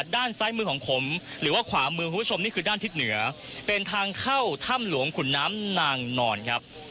ด้านซ้ายมือของผมหรือว่าขวามือคุณผู้ชมนี่คือด้านทิศเหนือเป็นทางเข้าถ้ำหลวงขุนน้ำนางนอนครับ